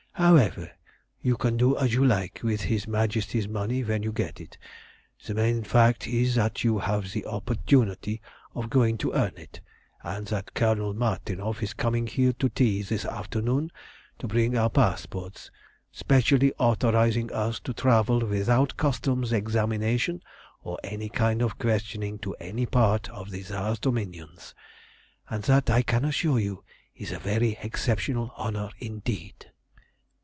However, you can do as you like with his Majesty's money when you get it. The main fact is that you have the opportunity of going to earn it, and that Colonel Martinov is coming here to tea this afternoon to bring our passports, specially authorising us to travel without customs examination or any kind of questioning to any part of the Tsar's dominions, and that, I can assure you, is a very exceptional honour indeed."